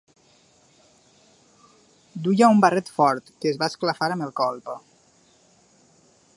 Duia un barret fort, que es va esclafar amb el cop.